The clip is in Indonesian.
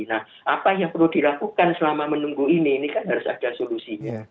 nah apa yang perlu dilakukan selama menunggu ini ini kan harus ada solusinya